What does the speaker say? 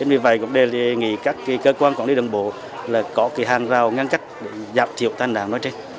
vì vậy đề nghị các cơ quan quản lý đường bộ có hàng rào ngăn cách giảm thiệu tai nạn